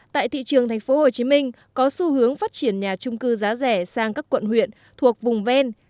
tại thị trường tp hcm có xu hướng phát triển nhà trung cư giá rẻ sang các quận huyện thuộc vùng ven